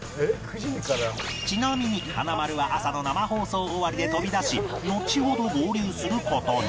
ちなみに華丸は朝の生放送終わりで飛び出しのちほど合流する事に